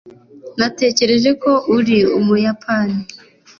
natekereje ko uri umuyapani